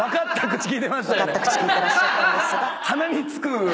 分かった口利いてらっしゃったんですが。